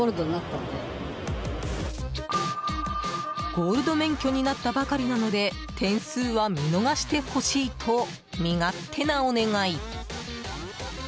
ゴールド免許になったばかりなので点数は見逃してほしいと身勝手なお願い。